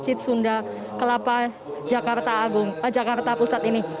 masjid sunda kelapa jakarta pusat ini